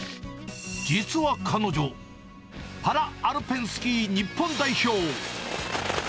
実は彼女、パラアルペンスキー日本代表。